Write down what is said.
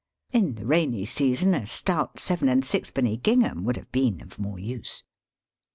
In the rainy season a stout seven and sixpenny gingham would have been of more use.